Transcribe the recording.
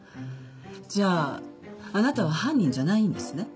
じゃああなたは犯人じゃないんですね？